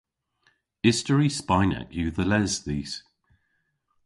Istori spaynek yw dhe les dhis.